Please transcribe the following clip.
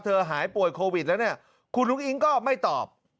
เธอหายป่วยโควิดแล้วคุณลุกอิงก็ไม่ตอบ